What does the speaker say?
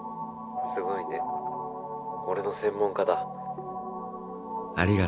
「すごいね俺の専門家だ」